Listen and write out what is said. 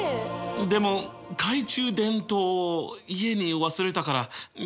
でも懐中電灯を家に忘れたからえ？